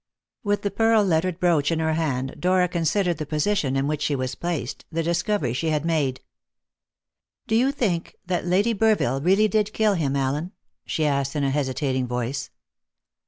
With the pearl lettered brooch in her hand, Dora considered the position in which she was placed, the discovery she had made. "Do you think that Lady Burville really did kill him, Allen?" she asked in a hesitating voice.